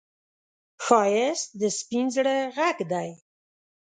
ښایست د سپين زړه غږ دی